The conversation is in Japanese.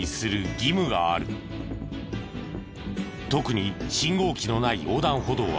特に信号機のない横断歩道は。